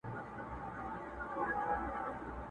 لا لکه غر پر لمن کاڼي لري.!